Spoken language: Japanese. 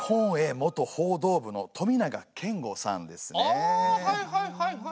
あはいはいはいはい。